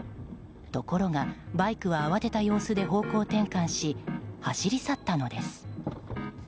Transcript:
ところがバイクは慌てた様子で方向転換し走り去ったのです。